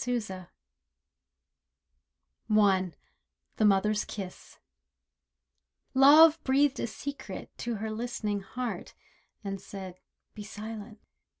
FIVE KISSES THE MOTHER'S KISS I Love breathed a secret to her listening heart, And said "Be silent."